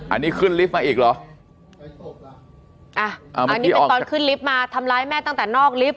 อันนี้ขึ้นลิฟต์มาอีกเหรออ่าอันนี้เป็นตอนขึ้นลิฟต์มาทำร้ายแม่ตั้งแต่นอกลิฟต